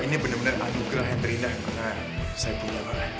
ini benar benar anugerah yang terindah karena saya punya pak